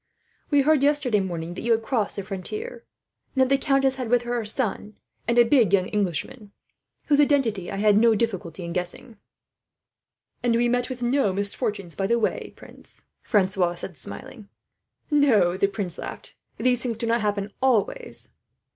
"We heard yesterday morning that you had crossed the frontier, and that the countess had with her her son, and a big young Englishman, whose identity I had no difficulty in guessing." "And we met with no misfortunes by the way, prince," Francois said, smiling. "No," the prince laughed, "these things do not happen always."